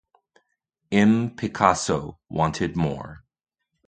M. Picasso wanted more.